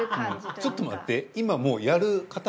ちょっと待って。